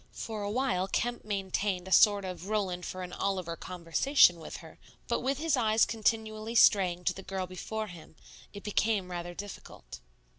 For a while Kemp maintained a sort of Roland for an Oliver conversation with her; but with his eyes continually straying to the girl before him, it became rather difficult.